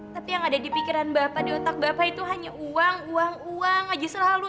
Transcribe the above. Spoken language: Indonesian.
tapi yang ada di pikiran bapak di otak bapak itu hanya uang uang uang aja selalu